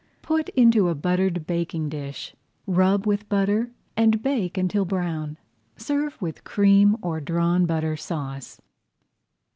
Put into a buttered baking dish, rub with butter, and bake until brown. Serve with Cream or Drawn Butter Sauce.